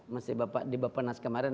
masih di bapak nas kemarin